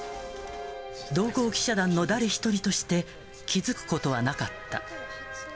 同行記者団の誰一人として気付くことはなかった。